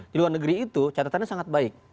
di luar negeri itu catatannya sangat baik